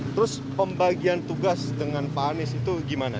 terus pembagian tugas dengan pak anies itu gimana